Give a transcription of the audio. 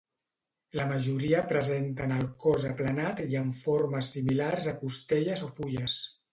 La majoria presenten el cos aplanat i amb formes similars a costelles o fulles.